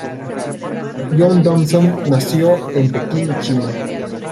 John Dobson nació en Pekín, China.